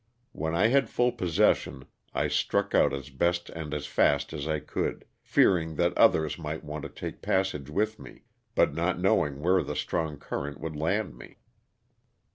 When I had full possession I struck out as best and as fast as I could, fearing that others might want to take pass age with me, but not knowing where the strong cur rent would land me.